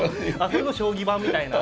それの将棋版みたいな。